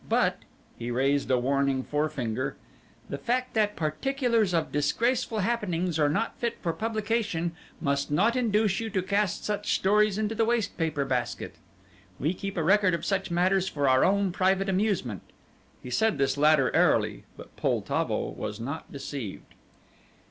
But," he raised a warning forefinger, "the fact that particulars of disgraceful happenings are not fit for publication must not induce you to cast such stories into the wastepaper basket. We keep a record of such matters for our own private amusement." He said this latter airily, but Poltavo was not deceived.